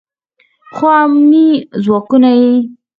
خو امنیتي ځواکونه یې